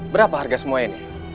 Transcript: berapa harga semua ini